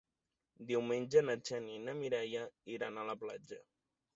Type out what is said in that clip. Diumenge na Xènia i na Mireia iran a la platja.